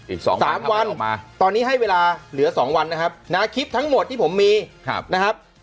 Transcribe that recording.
อีก๒๓วันตอนนี้ให้เวลาเหลือ๒วันนะครับนะคลิปทั้งหมดที่ผมมีนะครับ